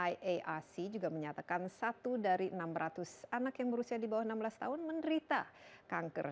iarc juga menyatakan satu dari enam ratus anak yang berusia di bawah enam belas tahun menderita kanker